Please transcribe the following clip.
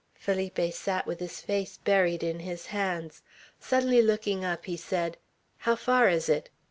Felipe sat with his face buried in his hands. Suddenly looking up, he said, "How far is it?"